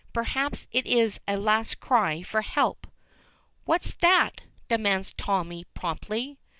Perhaps it is a last cry for help. "What's that?" demands Tommy promptly.